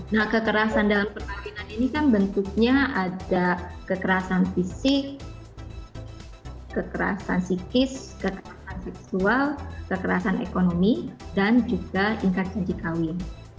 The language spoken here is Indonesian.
nah kekerasan dalam perkawinan ini kan bentuknya ada kekerasan fisik kekerasan psikis kekerasan seksual kekerasan ekonomi dan juga tingkat haji kawin